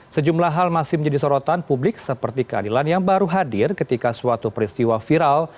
sejumlah hal masih menjadi sorotan publik seperti keadilan yang baru hadir ketika suatu peristiwa viral